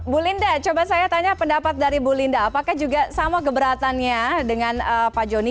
bu linda coba saya tanya pendapat dari bu linda apakah juga sama keberatannya dengan pak joni